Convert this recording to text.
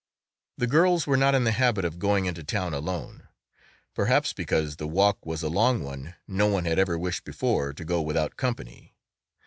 The girls were not in the habit of going into town alone; perhaps because the walk was a long one no one had ever wished before to go without company.